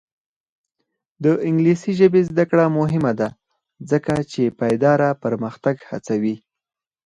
د انګلیسي ژبې زده کړه مهمه ده ځکه چې پایداره پرمختګ هڅوي.